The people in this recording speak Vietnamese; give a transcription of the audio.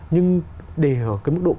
nhưng để ở cái mức độ